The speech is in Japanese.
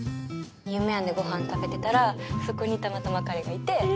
夢庵でごはん食べてたらそこにたまたま彼がいて。